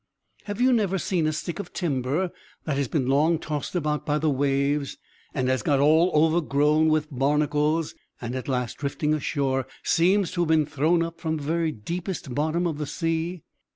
Have you never seen a stick of timber, that has been long tossed about by the waves, and has got all overgrown with barnacles, and, at last drifting ashore, seems to have been thrown up from the very deepest bottom of the sea.